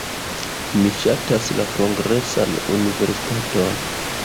Mi ŝatas la Kongresan Universitaton.